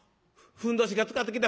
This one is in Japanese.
ふんどしがつかってきた。